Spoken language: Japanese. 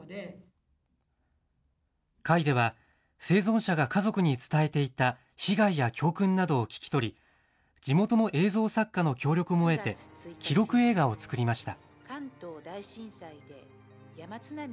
会では、生存者が家族に伝えていた被害や教訓などを聞き取り、地元の映像作家の協力も得て、記録映画を作りました。